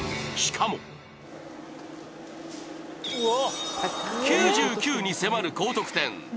しかも９９に迫る高得点。